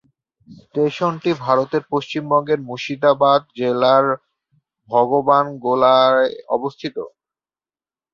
স্টেশনটি ভারতের পশ্চিমবঙ্গের মুর্শিদাবাদ জেলার ভগবানগোলায় অবস্থিত।